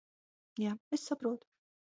Jā, es saprotu.